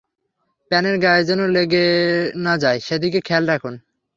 প্যানের গায়ে যেন লেগে না যায় সেদিকে খেয়াল রাখুন।